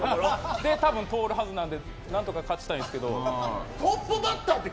たぶん通るはずなんで何とか勝ちたいんですけど。